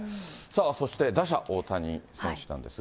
そして打者大谷選手なんですが。